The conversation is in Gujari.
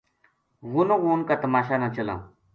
غونو غون کا تماشا نا چلاں ‘‘